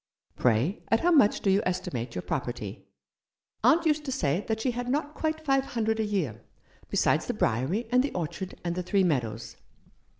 Pray, at how much do you estimate your property ■?" "Aunt used to say that she had not quite five hundred a year, besides the Briery, and the orchard, and the three meadows."